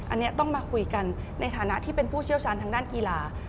อันนี้ต้องมาคุยกันในฐานะที่เป็นผู้เชี่ยวชาญทางด้านกีฬา